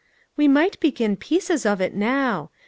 " We might begin pieces of it now.